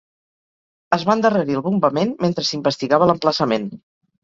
Es va endarrerir el bombament mentre s'investigava l'emplaçament.